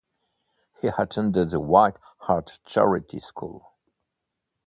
He attended the White Hart Charity School.